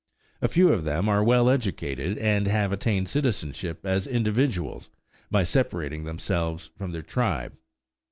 A few of them are well educated and have attained citizenship as individuals by separating themselves from their tribe.